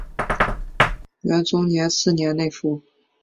元宪宗四年内附。